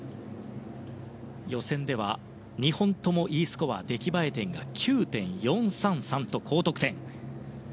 予選では２本ともＥスコア出来栄え点が９．４３３と高得点。